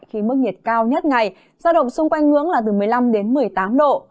khi mức nhiệt cao nhất ngày giao động xung quanh ngưỡng là từ một mươi năm đến một mươi tám độ